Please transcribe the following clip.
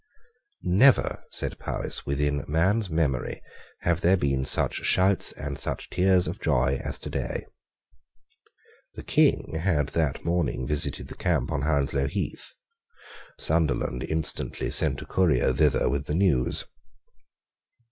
"Never," said Powis, "within man's memory, have there been such shouts and such tears of joy as today." The King had that morning visited the camp on Hounslow Heath. Sunderland instantly sent a courier thither with the news.